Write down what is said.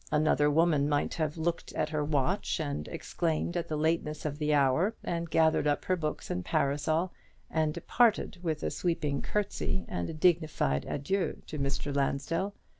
Another woman might have looked at her watch, and exclaimed at the lateness of the hour, and gathered up her books and parasol, and departed with a sweeping curtsey and a dignified adieu to Mr. Lansdell.